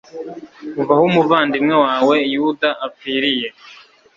kuva aho umuvandimwe wawe yuda apfiriye